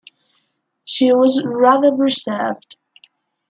She was rather reserved.